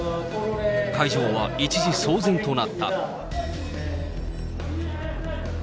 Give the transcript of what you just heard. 会場は一時、騒然となった。